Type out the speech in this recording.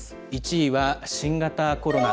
１位は新型コロナ。